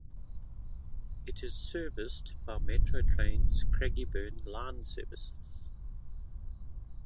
It is serviced by Metro Trains' Craigieburn line services.